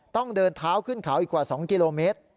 ต้องเดินเท้าขึ้นเขาอีกกว่า๒กิโลเมตร